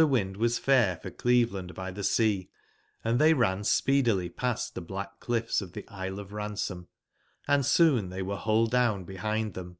^ wind was fair for Cleveland by tbe Sea; and tbey ran speedily past tbe black cliffs of tbe Isle of Ransom, & soon were tbey bull down bebind tbem.